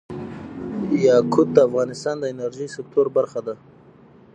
یاقوت د افغانستان د انرژۍ سکتور برخه ده.